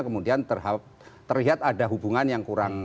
kemudian terlihat ada hubungan yang kurang